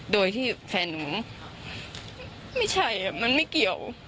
โดยที่แฟนหนูไม่ใช่มันไม่เกี่ยว